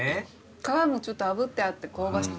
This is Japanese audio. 皮もちょっとあぶってあって香ばしくて。